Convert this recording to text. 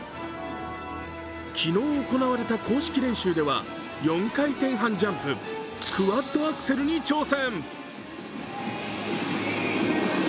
昨日行われた公式練習では４回転半ジャンプ、クワッドアクセルに挑戦。